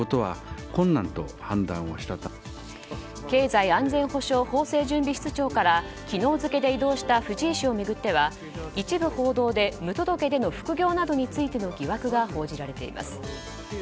経済安全保障法制準備室長から昨日付で異動した藤井氏を巡っては一部報道で無届での副業などについての疑惑が報じられています。